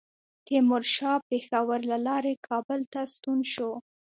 تیمورشاه پېښور له لارې کابل ته ستون شو.